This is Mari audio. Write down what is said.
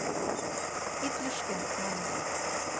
— Ит лӱшкӧ, маныт.